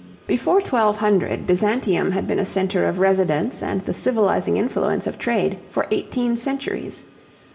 Before 1200, Byzantium had been a centre of residence and the civilizing influence of trade for eighteen centuries.